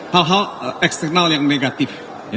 hal hal eksternal yang negatif